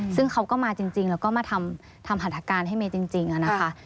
ซึ่งเขาก็มาจริงแล้วก็มาทำหัตถการให้เมย์จริงนะคะ